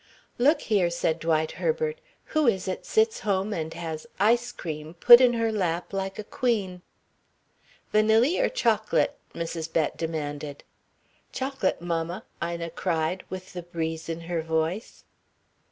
"Look here," said Dwight Herbert, "who is it sits home and has ice cream put in her lap, like a queen?" "Vanilly or chocolate?" Mrs. Bett demanded. "Chocolate, mammal" Ina cried, with the breeze in her voice.